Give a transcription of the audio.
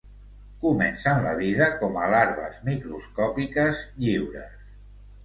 Comencen la vida com a larves microscòpiques lliures.